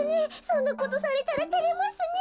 そんなことされたらてれますねえ。